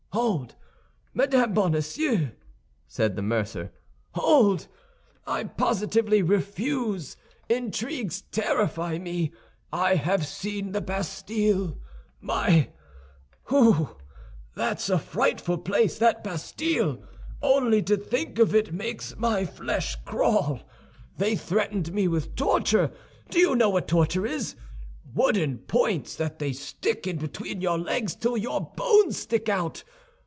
"Hold, Madame Bonacieux," said the mercer, "hold! I positively refuse; intrigues terrify me. I have seen the Bastille. My! Whew! That's a frightful place, that Bastille! Only to think of it makes my flesh crawl. They threatened me with torture. Do you know what torture is? Wooden points that they stick in between your legs till your bones stick out!